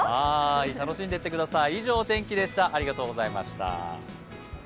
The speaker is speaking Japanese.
楽しんでってください。